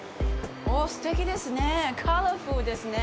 おぉ、すてきですね。